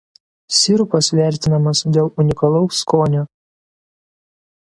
Sirupas vertinamas dėl unikalaus skonio.